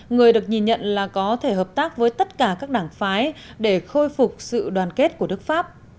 người được nhìn nhận là có thể hợp tác với tất cả các đảng phái để khôi phục sự đoàn kết của nước pháp